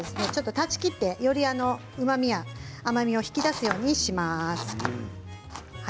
断ち切って、より、うまみや甘みを引き出すようにします。